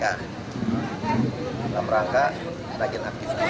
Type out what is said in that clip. dalam rangka kita jelaskan